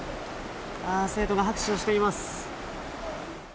生徒が拍手をしています。